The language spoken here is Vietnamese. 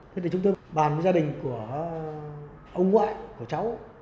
thế thì chúng tôi bàn với gia đình của ông ngoại của cháu